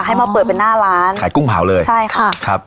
ให้มาเปิดเป็นหน้าร้านขายกุ้งเผาเลยใช่ค่ะครับ